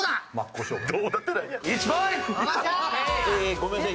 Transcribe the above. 「ごめんなさい